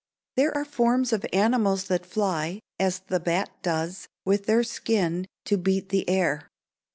There are forms of animals that fly, as the bat does, with their skin to beat the air.